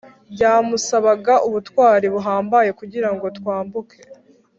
byamusabaga ubutwari buhambaye kugira ngo twambuke